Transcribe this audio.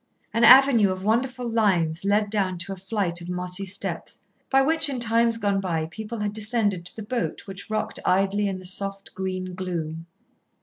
An avenue of wonderful limes led down to a flight of mossy steps, by which in times gone by people had descended to the boat which rocked idly in the soft green gloom.